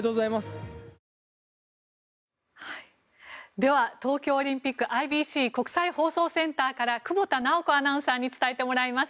では、東京オリンピックＩＢＣ・国際放送センターから久保田直子アナウンサーに伝えてもらいます。